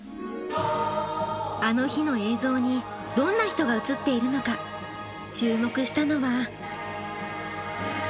「あの日」の映像にどんな人が映っているのか注目したのは。